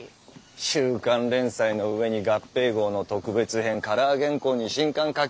週刊連載のうえに合併号の特別編カラー原稿に新刊描き